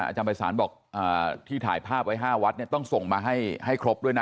อาจารย์ภัยศาลบอกที่ถ่ายภาพไว้๕วัดต้องส่งมาให้ครบด้วยนะ